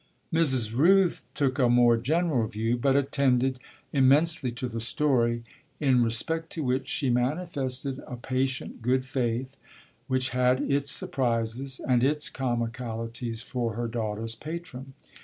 Mrs. Rooth took a more general view, but attended immensely to the story, in respect to which she manifested a patient good faith which had its surprises and its comicalities for her daughter's patron.